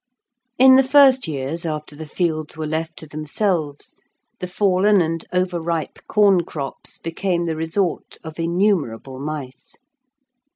In the first years after the fields were left to themselves, the fallen and over ripe corn crops became the resort of innumerable mice.